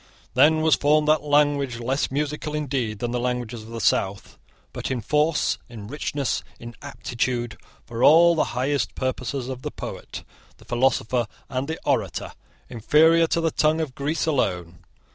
Then was formed that language, less musical indeed than the languages of the south, but in force, in richness, in aptitude for all the highest purposes of the poet, the philosopher, and the orator, inferior to the tongue of Greece alone.